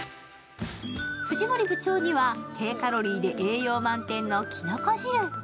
藤森部長には低カロリーで栄養満点のきのこ汁。